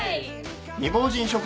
未亡人食堂